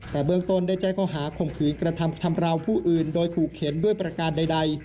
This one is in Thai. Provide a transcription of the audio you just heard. แต่เบื้องต้นได้แจ้งข้อหาข่มขืนกระทำชำราวผู้อื่นโดยขู่เข็นด้วยประการใด